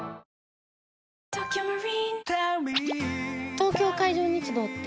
東京海上日動って？